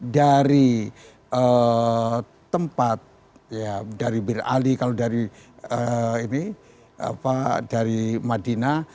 dari tempat dari bir ali kalau dari madinah